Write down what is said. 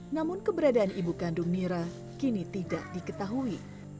namun keberadaan ibu kandung nira kini tidak diketahui